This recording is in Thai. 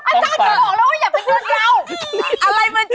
ไม่อะไรมันจะทังโต๊ะอย่างนี้ล่ะอาจารย์